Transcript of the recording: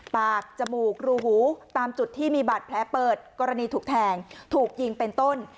จมูกรูหูตามจุดที่มีบาดแผลเปิดกรณีถูกแทงถูกยิงเป็นต้น